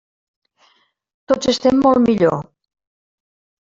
Tots estem molt millor.